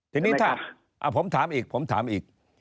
ทีนี้ถ้าผมถามอีก